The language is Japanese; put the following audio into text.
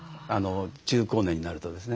中高年になるとですね。